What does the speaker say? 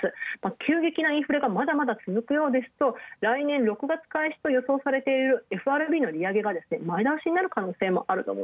急激なインフレがまだまだつづくようですと、来年６月開始と予想されているＦＲＢの利上げが前倒しになる可能性も。